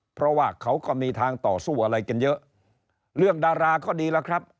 เพราะว่าเขาก็มีทางต่อสู้อะไรกันเยอะเรื่องดาราก็ดีแล้วครับ